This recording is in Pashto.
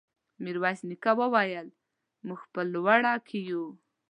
ميرويس نيکه وويل: موږ په لوړه کې يو.